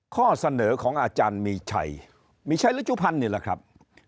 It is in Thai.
ข้อเสนอของอาจารย์มีชัยมีชัยฤจุภัณฑ์นี่แหละครับ